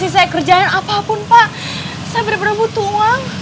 saya benar benar butuh uang